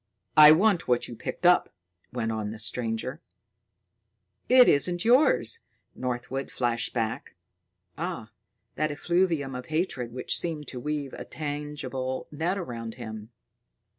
"I want what you picked up," went on the stranger. "It isn't yours!" Northwood flashed back. Ah! that effluvium of hatred which seemed to weave a tangible net around him!